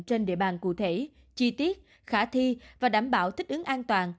trên địa bàn cụ thể chi tiết khả thi và đảm bảo thích ứng an toàn